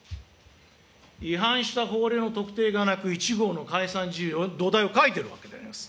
違反した法令の特定がなく１号の解散事由を、土台を書いているわけであります。